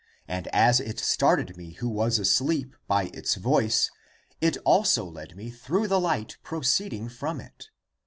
And as it started me who was asleep, by its voice It also led me through the light proceeding from it.